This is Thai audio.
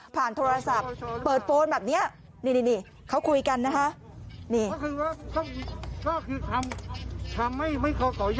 ผ่านโทรศัพท์เปิดโฟนแบบเนี้ยนี่นี่เขาคุยกันนะคะนี่